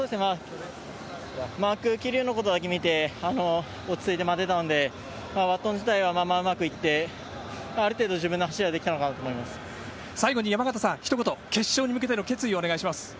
桐生のことだけ見て落ち着いて待てていたのでバトン自体はうまくいってある程度自分の走りは最後に山縣さん決勝に向けての決意をお願いします。